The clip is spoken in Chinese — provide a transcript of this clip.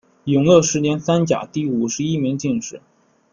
永乐十年三甲第五十一名进士。